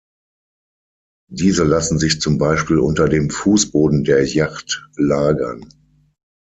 Diese lassen sich zum Beispiel unter dem Fußboden der Yacht lagern.